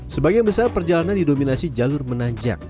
sebagian besar perjalanan didominasi jalur menanjak